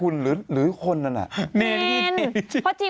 ตรงนั่งไง